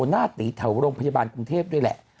หน้าตีแถวโรงพยาบาลกรุงเทพด้วยแหละ